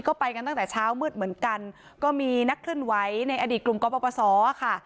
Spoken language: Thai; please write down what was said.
ก็ไปกันตั้งแต่เช้ามืดเหมือนกันก็มีนักเคลื่อนไหวในอดีตกลุ่มกรปศค่ะ